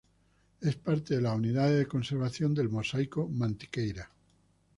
Es parte de las unidades de conservación del Mosaico Mantiqueira.